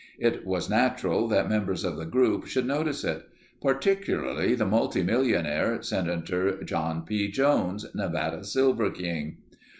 It was natural that members of the group should notice it. Particularly the multimillionaire, Senator John P. Jones, Nevada silver king.